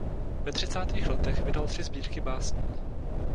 Ve třicátých letech vydal tři sbírky básní.